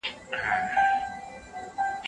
مفسرينو د قرآن کريم آياتونه صحيح تفسير کړي دي.